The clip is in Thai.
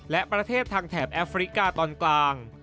และประเทศทางแถบแอฟริกาตอนกลาง